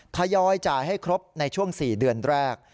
ทยอยจ่ายให้ครบในช่วง๔เดือนแรก